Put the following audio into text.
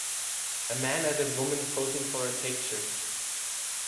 a man and a woman posing for a picture